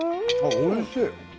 おいしい。